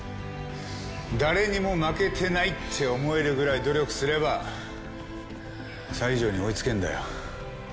誰にも負けてないって思えるぐらい努力すれば西条に追いつけるんだよ。